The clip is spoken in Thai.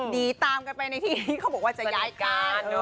นี่ตามไปไปในที่นี่เขาบอกว่าจะย้ายก้าน